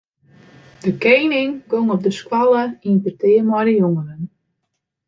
De kening gong op de skoalle yn petear mei de jongeren.